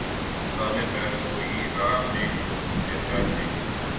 مقام فیضؔ کوئی راہ میں جچا ہی نہیں